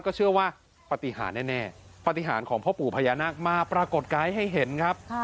ก็เชื่อว่าปฏิหารแน่ปฏิหารของพ่อปู่พญานาคมาปรากฏกายให้เห็นครับ